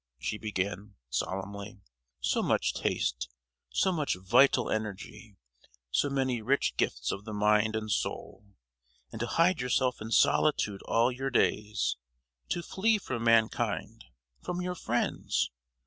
she began, solemnly. "So much taste, so much vital energy, so many rich gifts of the mind and soul—and to hide yourself in solitude all your days; to flee from mankind, from your friends.